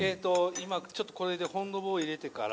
今ちょっとこれでフォンドボー入れてから。